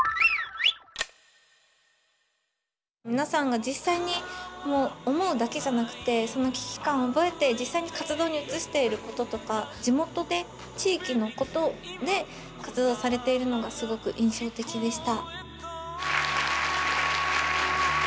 皆さんが実際に思うだけじゃなくてその危機感を覚えて実際に活動に移していることとか地元で地域のことで活動されているのがすごく印象的でした。